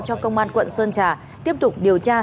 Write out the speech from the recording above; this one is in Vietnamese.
cho công an quận sơn trà tiếp tục điều tra